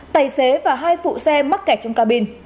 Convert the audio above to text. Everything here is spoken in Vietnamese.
tài xế và hai phụ xe mắc kẹt trong cabin